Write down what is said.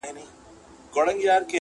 مسافري خواره خواري ده،